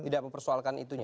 tidak mempersoalkan itunya